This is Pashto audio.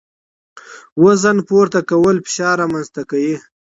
وزن پورته کول فشار رامنځ ته کوي.